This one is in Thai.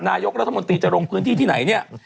นายกรัฐมนตรีจะลงพื้นที่ที่ไหนเนี่ย